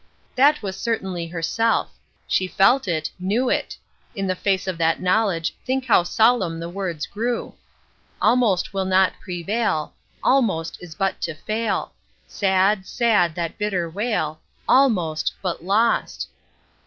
That was certainly herself; she felt it, knew it; in the face of that knowledge think how solemn the words grew: "Almost will not prevail, Almost is but to fail; Sad, sad that bitter wail, Almost, but lost!"